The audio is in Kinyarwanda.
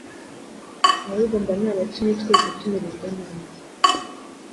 ahubwo mba naratumye twese tumererwa nabi.